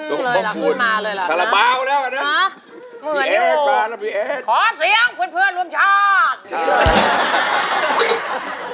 มหามงคุณสาระเบาแล้วอันนั้นเหมือนอยู่ขอเสียงเพื่อนร่วมชาติ